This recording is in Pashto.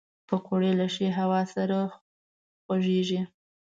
پکورې له ښې هوا سره خوږېږي